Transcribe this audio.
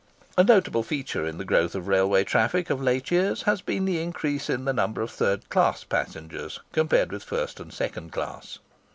A notable feature in the growth of railway traffic of late years has been the increase in the number of third class passengers, compared with first and second class.